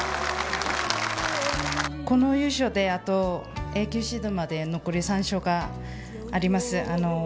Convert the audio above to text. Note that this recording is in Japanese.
この優勝であと永久シードまで残り３勝があります。